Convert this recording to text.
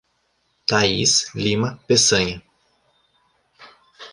Thaís Lima Pessanha